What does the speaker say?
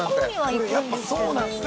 ◆これ、やっぱそうなんですね。